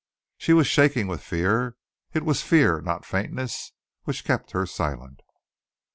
She was shaking with fear. It was fear, not faintness, which kept her silent.